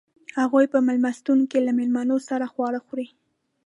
هغوئ په میلمستون کې له میلمنو سره خواړه خوري.